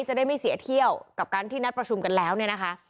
จะได้ไม่เสียเที่ยวกับการที่นัดประชุมกันแล้วเนี่ยนะคะ